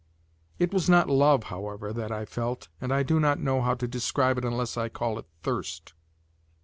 It was not love, however, that I felt, and I do not know how to describe it unless I call it thirst.